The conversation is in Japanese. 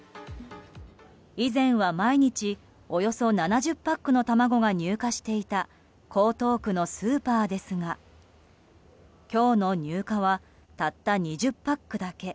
以前は毎日およそ７０パックの卵が入荷していた江東区のスーパーですが今日の入荷はたった２０パックだけ。